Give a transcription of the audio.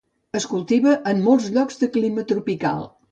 Es cultiva en molts llocs de clima tropical.